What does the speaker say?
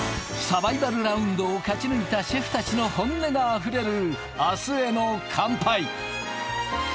サバイバルラウンドを勝ち抜いたシェフ達の本音があふれる明日への乾杯